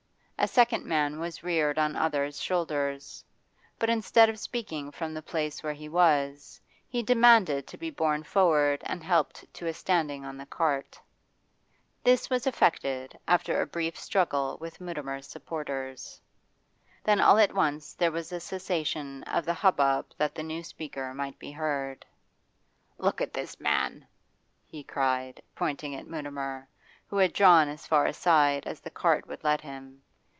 A second man was reared on others' shoulders; but instead of speaking from the place where he was, he demanded to be borne forward and helped to a standing on the cart. This was effected after a brief struggle with Mutimer's supporters. Then all at once there was a cessation of the hubbub that the new speaker might be heard. 'Look at this man!' he cried, pointing at Mutimer, who had drawn as far aside as the cart would let him.